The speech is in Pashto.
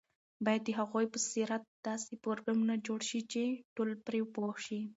باید د هغوی په سیرت داسې پروګرامونه جوړ شي چې ټول پرې پوه شي.